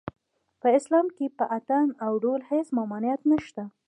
په اسلام کې په اټن او ډول هېڅ ممانعت نشته